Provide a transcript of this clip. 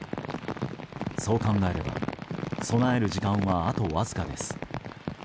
そう考えれば、備える時間はあとわずかです。